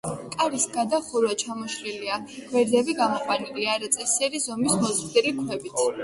კარის გადახურვა ჩამოშლილია, გვერდები გამოყვანილია არაწესიერი ზომის მოზრდილი ქვებით.